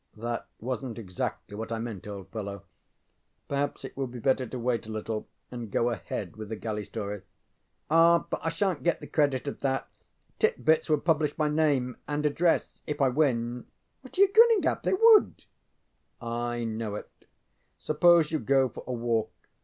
ŌĆØ ŌĆ£That wasnŌĆÖt exactly what I meant, old fellow: perhaps it would be better to wait a little and go ahead with the galley story. ŌĆØ ŌĆ£Ah, but I shaŌĆÖnŌĆÖt get the credit of that. ŌĆśTit BitsŌĆÖ would publish my name and address if I win. What are you grinning at? They would. ŌĆØ ŌĆ£I know it. Suppose you go for a walk.